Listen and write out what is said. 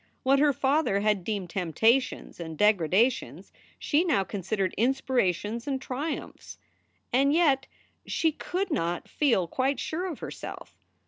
What her father had deemed temptations and degradations she now considered inspirations and triumphs. And yet she could not feel quite sure of herself.